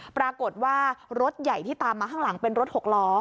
ปรากฏว่ารถใหญ่ที่ตามมาข้างหลังเป็นรถหกล้อ